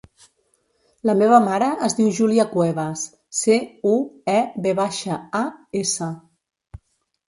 La meva mare es diu Júlia Cuevas: ce, u, e, ve baixa, a, essa.